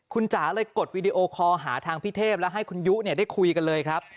คุณจ๋าเลยกดวีดีโอคอลหาทางพี่เทพแล้วให้คุณยุได้คุยกันเลยครับ